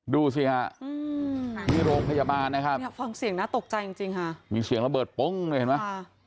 ดูสิฮะอืมที่โรงพยาบาลนะครับฟังเสียงน่าตกใจจริงฮะมีเสียงระเบิดปุ้งเห็นไหมค่ะ